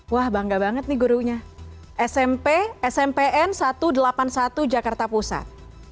wah bangga banget nih gurunya smp smpn satu ratus delapan puluh satu jakarta pusat